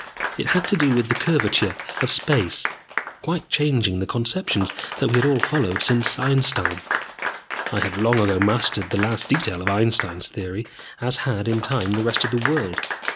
It had to do with the curvature of space, quite changing the conceptions that we had all followed since Einstein. I had long ago mastered the last detail of Einstein's theory, as had, in time, the rest of the world.